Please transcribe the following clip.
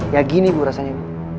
ya gini ibu rasanya